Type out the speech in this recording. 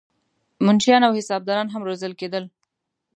منشیان او حسابداران هم روزل کېدل.